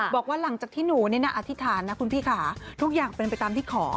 บอกว่าหลังจากที่หนูนี่นะอธิษฐานนะคุณพี่ค่ะทุกอย่างเป็นไปตามที่ขอ